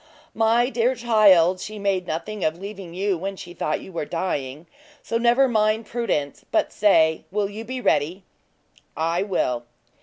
"My dear child, she made nothing of leaving you when she thought you were dying; so never mind Prudence, but say, will you be ready?" "I will."